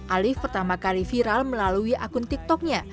alif pertama kali viral melalui akun tiktoknya